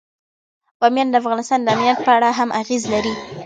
بامیان د افغانستان د امنیت په اړه هم اغېز لري.